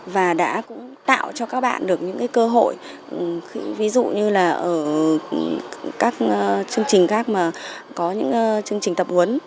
và đã cũng tạo cho các bạn được những cơ hội ví dụ như là ở các chương trình khác mà có những chương trình tập huấn